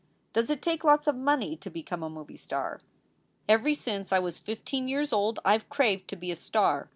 Does it take lots of money to be come a Movie Star. Every since I was 15 years old Ive craved to be a star.